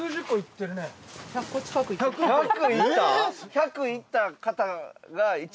１００いった方が章姫か。